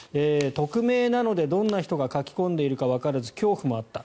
匿名なのでどんな人が書き込んでいるかわからず恐怖もあった。